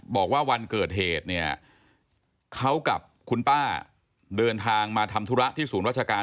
บอกว่าวันเกิดเหตุเนี่ยเขากับคุณป้าเดินทางมาทำธุระที่ศูนย์ราชการ